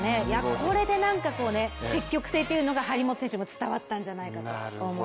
これで積極性というのが張本選手に伝わったんじゃないかと思いました。